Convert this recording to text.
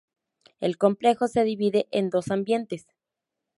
El complejo se divide en dos ambientes.